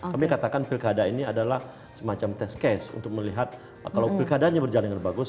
kami katakan pilkada ini adalah semacam test case untuk melihat kalau pilkadanya berjalan dengan bagus